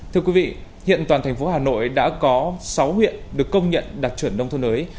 thưa quý vị hiện toàn thành phố hà nội đã có sáu huyện được công nhận đạt chuẩn nông thôn mới